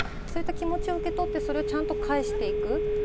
そういった気持ちを受け取って、ちゃんと返していく。